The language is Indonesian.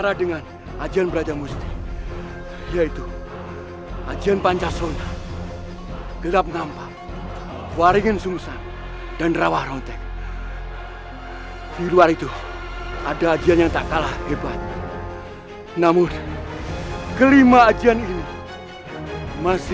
lviewg hurryup warganya suruh dia ric ludzi